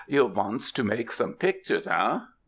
You vants to make some pic tures, eh?